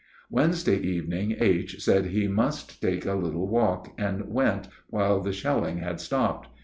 _ Wednesday evening H. said he must take a little walk, and went while the shelling had stopped.